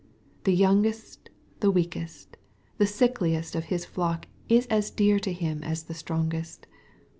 The youngest, the weakest, the sickliest of His flock is as dear to Him as the strongest.